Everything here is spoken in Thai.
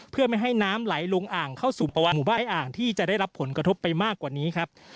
เพื่อไม่ให้น้ำไหลลงอ่างเข้าสู่ตะวันหมู่บ้านอ่างที่จะได้รับผลกระทบไปมากกว่านี้ครับ